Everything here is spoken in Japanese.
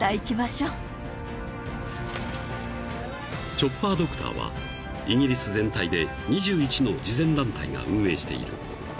［チョッパードクターはイギリス全体で２１の慈善団体が運営している］